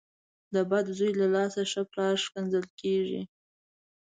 د بد زوی له لاسه ښه پلار کنځل کېږي.